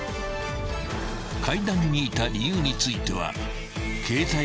［階段にいた理由については］